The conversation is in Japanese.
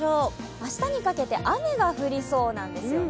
明日にかけて雨が降りそうなんですよね。